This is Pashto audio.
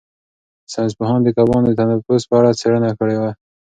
ساینس پوهانو د کبانو د تنفس په اړه څېړنه کړې ده.